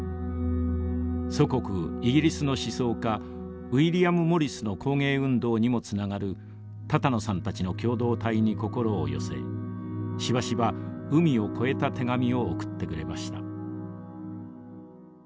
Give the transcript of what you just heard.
祖国イギリスの思想家ウィリアム・モリスの工芸運動にもつながる多々納さんたちの共同体に心を寄せしばしば海を越えた手紙を送ってくれました。